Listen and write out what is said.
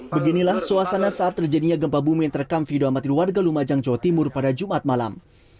beginilah suasana saat terjadinya gempa bumi yang terekam video amatir warga lumajang jawa timur pada jumat malam